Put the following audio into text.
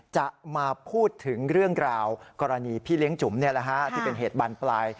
จะมาพูดถึงเรื่องราวกรณีพี่เลี้ยงจุ๋มที่เป็นเหตุบานปลาย